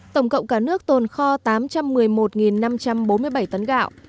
tổng cộng cả nước tồn kho tám trăm một mươi một năm trăm bốn mươi bảy tấn gạo